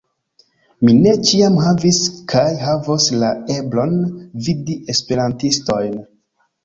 Mi ne ĉiam havis kaj havos la eblon vidi Esperantistojn.